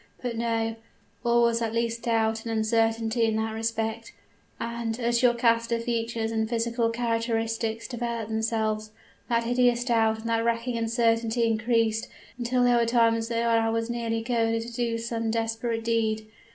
But no all was at least doubt and uncertainty in that respect and, as your cast of features and physical characteristics developed themselves, that hideous doubt and that racking uncertainty increased until there were times when I was nearly goaded to do some desperate deed.